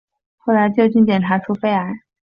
后来就竟然检查出肺癌